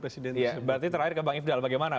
presiden berarti terakhir ke bang ifdal bagaimana